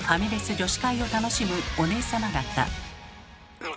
女子会を楽しむおねえ様方。